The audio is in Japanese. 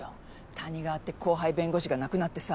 谷川って後輩弁護士が亡くなってさ。